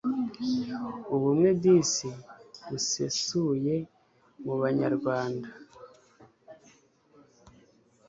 ubumwe disi busesuye mubanyarwanda